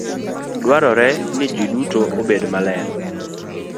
Dwarore ni ji duto obed maler.